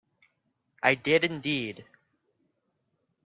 I did, indeed.